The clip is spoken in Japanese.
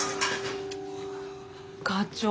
課長